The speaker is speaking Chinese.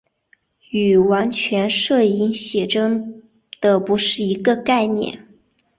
与完全摄影写真的不是一个概念。